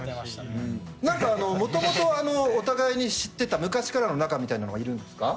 何か元々お互いに知ってた昔からの仲みたいなのはいるんですか？